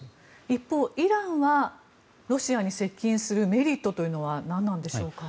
一方、イランはロシアに接近するメリットは何なんでしょうか？